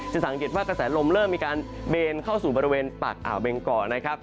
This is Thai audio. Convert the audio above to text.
สังเกตว่ากระแสลมเริ่มมีการเบนเข้าสู่บริเวณปากอ่าวเบงกอนะครับ